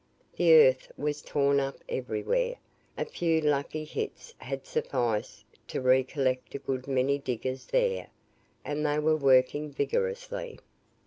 The earth was torn up everywhere a few lucky hits had sufficed to re collect a good many diggers there, and they were working vigorously.